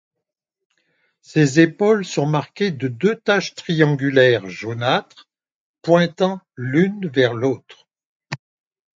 Ses épaules sont marquées de deux taches triangulaires jaunâtres pointant l'une vers l'autre.